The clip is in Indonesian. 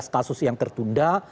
lima belas kasus yang tertunda